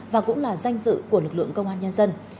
và cũng là danh dự của lực lượng công an nhân dân